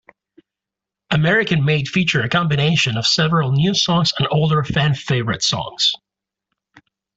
American Made featured a combination of several new songs and older fan-favorite songs.